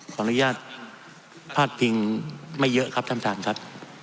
ขออนุญาตพาดพิงไม่เยอะครับท่านท่านครับ